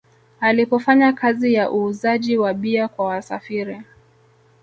Alipofanya kazi ya uuzaji wa bia kwa wasafiri